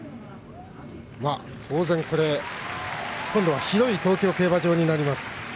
当然、今度は広い東京競馬場になります。